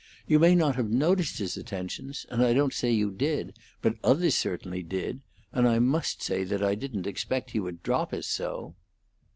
You may not have noticed his attentions, and I don't say you did, but others certainly did; and I must say that I didn't expect he would drop us so."